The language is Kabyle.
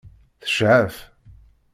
Tecɛef?